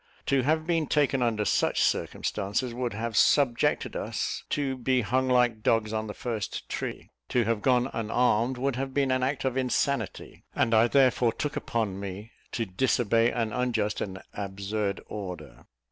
To have been taken under such circumstances, would have subjected us to be hung like dogs on the first tree; to have gone unarmed, would have been an act of insanity, and I therefore took upon me to disobey an unjust and absurd order.